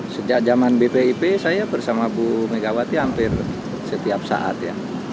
sejak zaman bpip saya bersama bu megawati hampir setiap saat ya